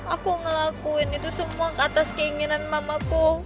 aku ngelakuin itu semua atas keinginan mamaku